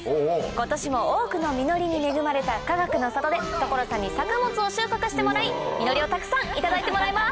今年も多くの実りに恵まれたかがくの里で所さんに作物を収穫してもらい実りをたくさんいただいてもらいます。